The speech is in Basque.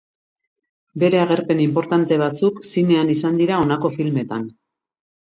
Bere agerpen inportante batzuk zinean izan dira honako filmetan.